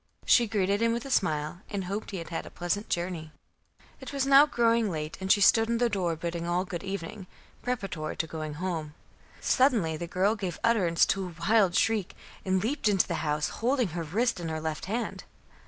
She greeted him with a smile, and hoped he had had a pleasant journey. It was now growing late, and she stood in the door bidding all good evening, preparatory to going home. Suddenly the girl gave utterance to a wild shriek and leaped into the house, holding her wrist in her left hand.